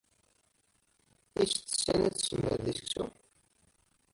Is tessend ad tessmerd i seksu?